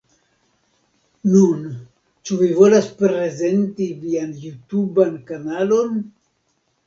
Nun, ĉu vi volas prezenti vian jutuban kanalon?